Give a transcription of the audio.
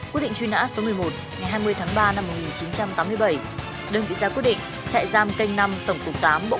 quyết định truy nã số một mươi một